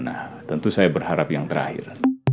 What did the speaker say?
nah tentu saya berharap yang terakhir